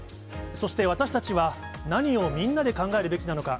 そして私たちは何をみんなで考えるべきなのか。